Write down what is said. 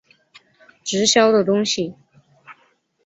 直销的东西